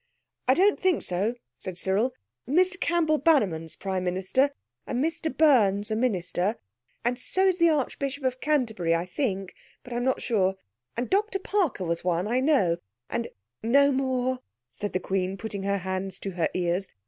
"I don't think so," said Cyril. "Mr Campbell Bannerman's Prime Minister and Mr Burns a Minister, and so is the Archbishop of Canterbury, I think, but I'm not sure—and Dr Parker was one, I know, and—" "No more," said the Queen, putting her hands to her ears.